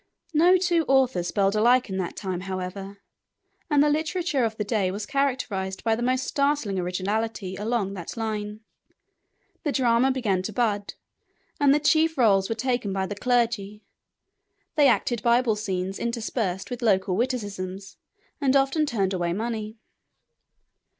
No two authors spelled alike at that time, however, and the literature of the day was characterized by the most startling originality along that line. The drama began to bud, and the chief rôles were taken by the clergy. They acted Bible scenes interspersed with local witticisms, and often turned away money.